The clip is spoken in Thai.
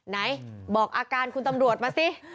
ไหนบอกอาการคุณตำรวจมาสิ